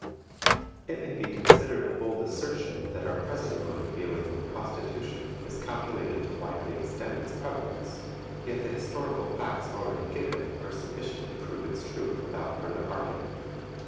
It may be considered a bold assertion, that our present mode of dealing with prostitution is calculated to widely extend its prevalence, yet the historical facts already given are sufficient to prove its truth without further argument.